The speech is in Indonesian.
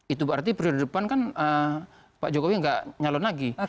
itu berarti periode depan kan pak jokowi nggak nyalon lagi